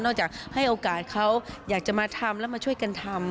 จากให้โอกาสเขาอยากจะมาทำแล้วมาช่วยกันทำ